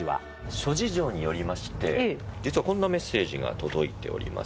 諸事情によりまして、実はこんなメッセージが届いております。